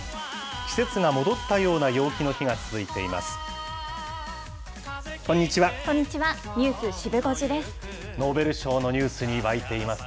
季節が戻ったような陽気の日が続いています。